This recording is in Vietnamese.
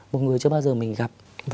một người chưa bao giờ mình gặp